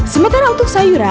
sementara untuk sayuran